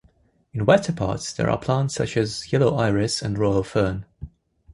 In wetter parts there are plants such as yellow iris and royal fern.